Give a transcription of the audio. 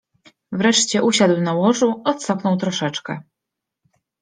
Wreszcie usiadł na łożu, odsapnął troszeczkę